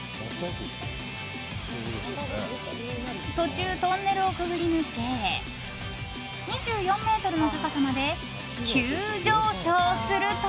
途中、トンネルをくぐり抜け２４ｍの高さまで急上昇すると。